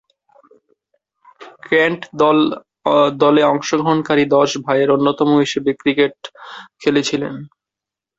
Kent দলে অংশগ্রহণকারী দশ ভাইয়ের অন্যতম হিসেবে ক্রিকেট খেলেছিলেন।